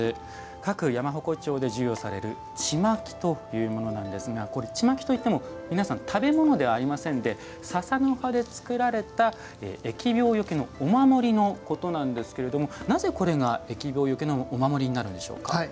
各山鉾町で授与されるちまきというものなんですがちまきといっても食べ物ではありませんでささの葉で作られた疫病よけのお守りのことなんですけれどもなぜ、これが疫病よけのお守りになるんでしょうか。